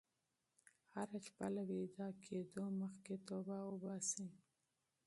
هره شپه له ویده کېدو مخکې توبه وباسئ.